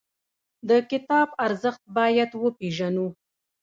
د کتاب ارزښت باید وپېژنو.